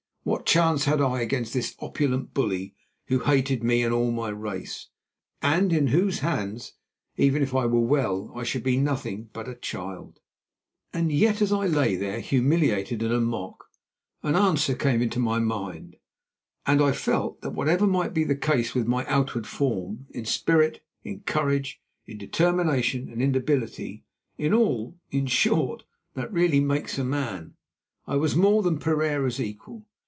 What chance had I against this opulent bully who hated me and all my race, and in whose hands, even if I were well, I should be nothing but a child? And yet, and yet as I lay there humiliated and a mock, an answer came into my mind, and I felt that whatever might be the case with my outward form; in spirit, in courage, in determination and in ability, in all, in short, that really makes a man, I was more than Pereira's equal.